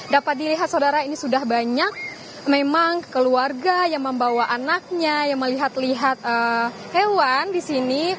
dapat dilihat saudara ini sudah banyak memang keluarga yang membawa anaknya yang melihat lihat hewan di sini